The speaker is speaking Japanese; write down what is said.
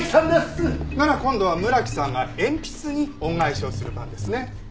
なら今度は村木さんが鉛筆に恩返しをする番ですね。